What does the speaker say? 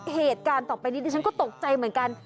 เหตุการณ์ต่อไปนี้ดิฉันก็ตกใจเหมือนกัน